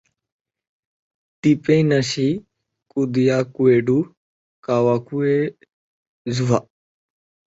তিপেই নাশি কুদিয়া কুয়েডু কাওয়াকুয়েজুভা।